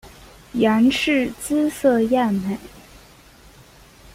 阎氏姿色艳美。